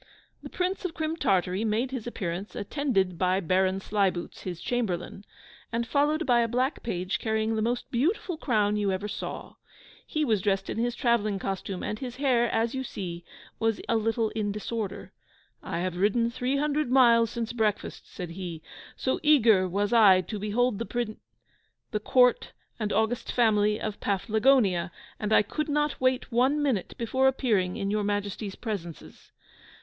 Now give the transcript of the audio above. The Prince of Crim Tartary made his appearance, attended by Baron Sleibootz, his chamberlain, and followed by a black page, carrying the most beautiful crown you ever saw! He was dressed in his travelling costume, and his hair was a little in disorder. "I have ridden three hundred miles since breakfast," said he, "so eager was I to behold the Prin the Court and august family of Paflagonia, and I could not wait one minute before appearing in your Majesties' presences."